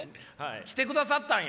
来てくださったんや。